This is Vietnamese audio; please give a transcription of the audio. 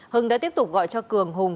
hưng đã tiếp tục gọi cho cường hùng